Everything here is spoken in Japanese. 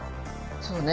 そうね。